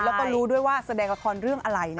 แล้วก็รู้ด้วยว่าแสดงละครเรื่องอะไร